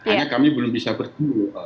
karena kami belum bisa bertemu